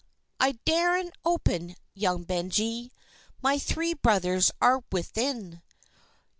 "I darena open, young Benjie, My three brothers are within."